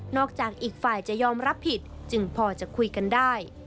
จากอีกฝ่ายจะยอมรับผิดจึงพอจะคุยกันได้